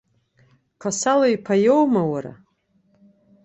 Қасала иԥа иаума, уара?